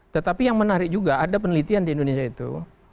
tetapi yang menarik juga ada penelitian di indonesia itu